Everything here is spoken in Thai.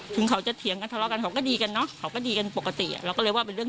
ถึงเขาเถียงกันอะไรกันเดี๋ยวเขาก็ดีกันไปเที่ยวกัน